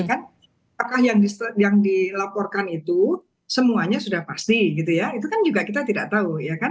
apakah yang dilaporkan itu semuanya sudah pasti itu kan juga kita tidak tahu